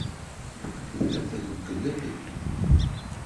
Tella treggel abrid.